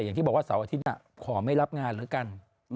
อย่างที่บอกว่าเสาร์อาทิตย์ขอไม่รับงานแล้วกัน